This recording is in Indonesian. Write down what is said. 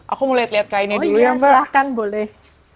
aku mulai lihat kainnya dulu ya mbak oh iya silahkan boleh